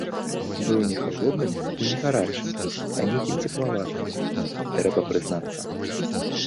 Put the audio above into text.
Быў не халодным і не гарачым, а нейкім цеплаватым, трэба прызнацца.